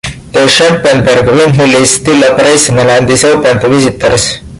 The Scherpenberg windmill is still operational and is open to visitors.